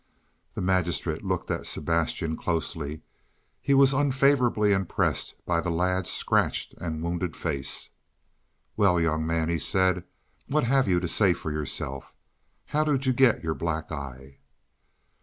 The magistrate looked at Sebastian closely; he was unfavorably impressed by the lad's scratched and wounded face. "Well, young man," he said, "what have you to say for yourself? How did you get your black eye?"